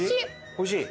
おいしい？